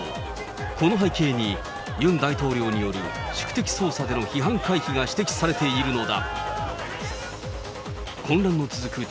この背景に、ユン大統領による宿敵捜査での批判回避が指摘されているのだ。